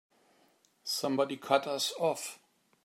Somebody cut us off!